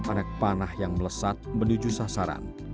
dan anak panah yang melesat menuju sasaran